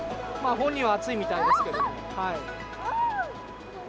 本人は暑いみたいですけど。